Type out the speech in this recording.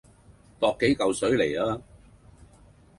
踱幾舊水來呀